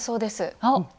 あっ！